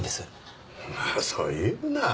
まあそう言うな。